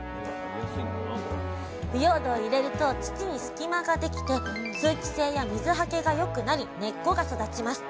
腐葉土を入れると土に隙間ができて通気性や水はけがよくなり根っこが育ちます。